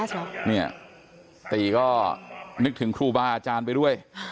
ตีก็นึกถึงครูบาอาจารย์ไปด้วย